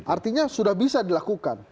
artinya sudah bisa dilakukan